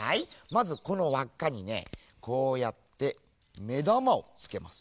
まずこのわっかにねこうやってめだまをつけます。